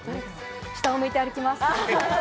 下を向いて歩きます。